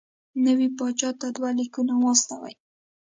نوي پاچا ته دوه لیکونه واستوي.